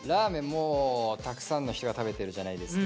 もうたくさんの人が食べてるじゃないですか。